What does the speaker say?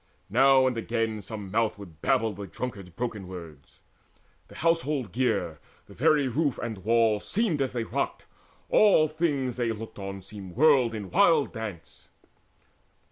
Now and again Some mouth would babble the drunkard's broken words. The household gear, the very roof and walls Seemed as they rocked: all things they looked on seemed Whirled in wild dance.